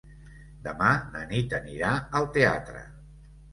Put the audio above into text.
Demà na Nit anirà al teatre.